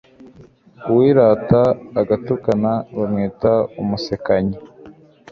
uwirata agatukana, bamwita umusekanyi